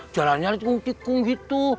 jalannya tukung tukung gitu